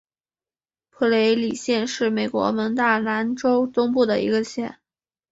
普雷里县是美国蒙大拿州东部的一个县。